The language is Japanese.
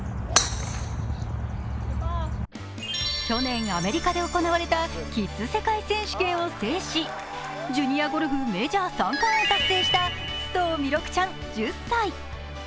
去年アメリカで行われたキッズ世界選手権を制し、ジュニアゴルフメジャー３冠を達成した須藤弥勒ちゃん１０歳。